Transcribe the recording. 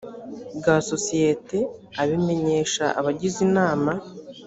bwa sosiyete abimenyesha abagize inama